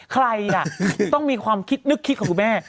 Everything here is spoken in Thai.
ใครต้องมีความคิดนึกคิดของคุณแม่